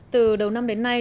từ đầu năm đến nay